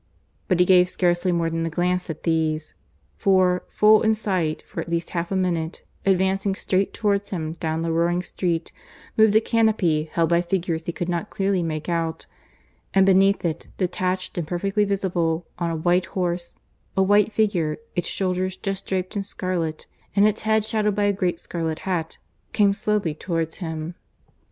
But he gave scarcely more than a glance at these; for, full in sight for at least half a minute, advancing straight towards him down the roaring street, moved a canopy held by figures he could not clearly make out, and beneath it, detached and perfectly visible, on a white horse, a white figure, its shoulders just draped in scarlet and its head shadowed by a great scarlet hat, came slowly towards him.